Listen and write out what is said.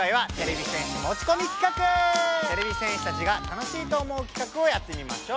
今回はてれび戦士たちが楽しいと思う企画をやってみましょう！